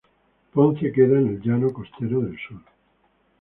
Ponce queda en el Llano Costero del Sur.